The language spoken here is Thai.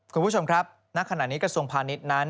คุณผู้ชมครับณขณะนี้กระทรวงพาณิชย์นั้น